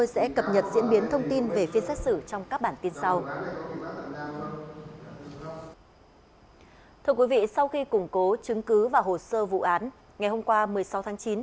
sau khi củng cố chứng cứ và hồ sơ vụ án ngày hôm qua một mươi sáu tháng chín